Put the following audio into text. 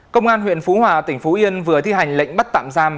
công an huyện phú hòa tỉnh phú yên vừa thi hành lệnh bắt tạm giam